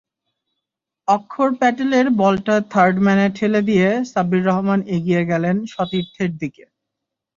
অক্ষর প্যাটেলের বলটা থার্ড ম্যানে ঠেলে দিয়ে সাব্বির রহমান এগিয়ে গেলেন সতীর্থের দিকে।